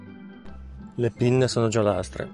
Le pinne sono giallastre.